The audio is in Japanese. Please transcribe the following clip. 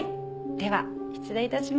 では失礼致します。